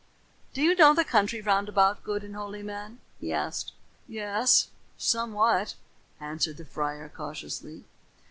"Do you know the country round about, good and holy man?" he asked. "Yes, somewhat," answered the friar cautiously.